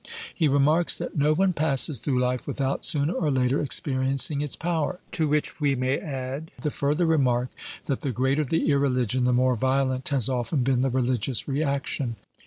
He remarks that no one passes through life without, sooner or later, experiencing its power. To which we may add the further remark that the greater the irreligion, the more violent has often been the religious reaction.